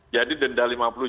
jadi denda lima puluh juta